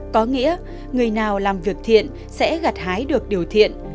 có nghĩa người nào làm việc thiện sẽ gặt hái được điều thiện